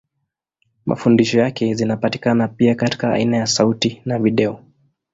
Mafundisho yake zinapatikana pia katika aina ya sauti na video.